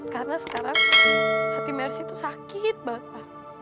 karena sekarang hati mersi itu sakit banget pa